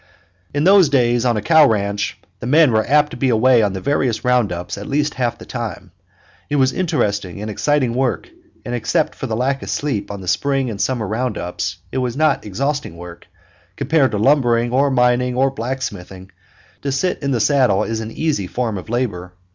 In those days on a cow ranch the men were apt to be away on the various round ups at least half the time. It was interesting and exciting work, and except for the lack of sleep on the spring and summer round ups it was not exhausting work; compared to lumbering or mining or blacksmithing, to sit in the saddle is an easy form of labor.